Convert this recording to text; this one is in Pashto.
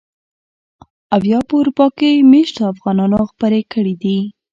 او يا په اروپا کې مېشتو افغانانو خپرې کړي دي.